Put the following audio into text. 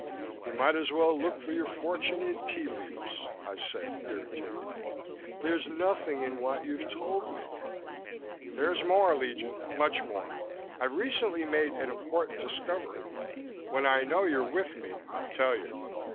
"You might as well look for your fortune in tea leaves," I said, irritated. "There's nothing in what you've told me." "There's more, Legion. Much more. I've recently made an important discovery. When I know you're with me, I'll tell you.